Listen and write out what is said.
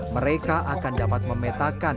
mereka akan dapat memetakan